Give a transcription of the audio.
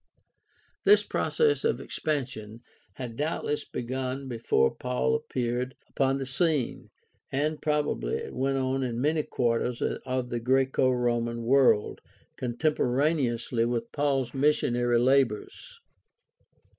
This process of expansion had doubtless begun before Paul appeared upon the scene, and probably it went on in many quarters of the Graeco Roman world contemporaneously with Paul's missionary labors.